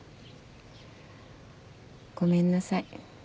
ごめんなさい。